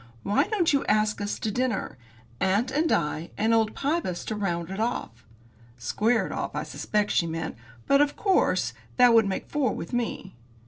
Why don't you ask us to dinner? Aunt and I, and old Pybus to round it off." Square it off, I suspect she meant, because, of course, that would make four with me.